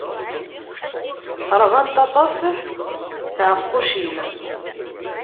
Ṛɣant aṭas n tɛeqqucin.